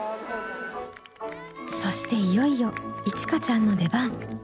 そしていよいよいちかちゃんの出番。